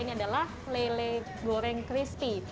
ini adalah lele goreng crispy